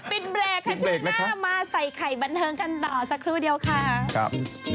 ปิดแล้วค่ะปิดแบร์ค่ะช่วยหน้ามาใส่ไข่บันเทิงกันต่อสักครู่เดียวค่ะ